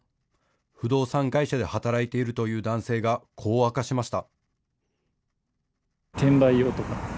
不動産会社で働いているという男性がこう明かしました。